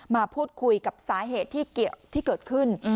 มาพูดคุยกับสาเหตุที่เกิดขึ้น